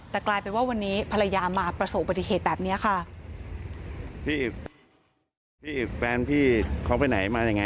แต่กลายเป็นว่าวันนี้ภรรยามาประสบปฏิเหตุแบบเนี้ยค่ะ